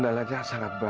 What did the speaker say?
ayah jangan ayah